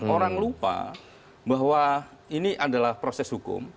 orang lupa bahwa ini adalah proses hukum